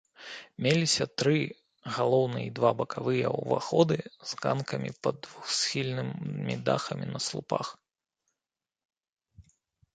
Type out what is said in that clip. Меліся тры, галоўны і два бакавыя, уваходы з ганкамі пад двухсхільнымі дахамі на слупах.